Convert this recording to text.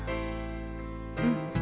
うん。